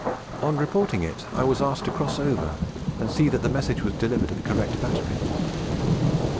On reporting it I was asked to cross over and see that the message was delivered to the correct battery.'